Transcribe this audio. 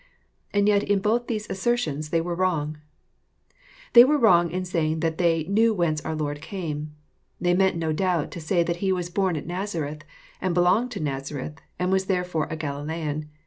And yet in both these assertions they were wrong I They were wrong in saying that they " knew^jjchence our Lord came." They meant no doubt to say that He was born at Nazareth, and belonged to Nazareth, and was therefore a Galilean.